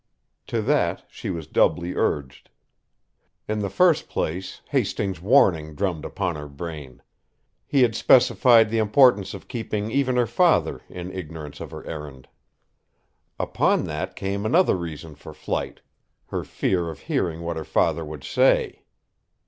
To that she was doubly urged. In the first place, Hastings' warning drummed upon her brain; he had specified the importance of keeping even her father in ignorance of her errand. Upon that came another reason for flight, her fear of hearing what her father would say.